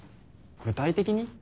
具体的に？